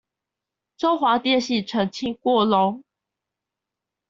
中華電信澄清過囉